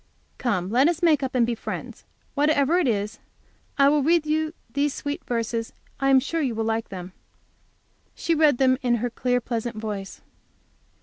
Come, let us make up and be friends, whatever it is. I will read you these sweet verses; I am sure you will like them." She read them in her clear, pleasant voice.